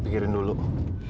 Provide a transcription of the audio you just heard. pengen punya buang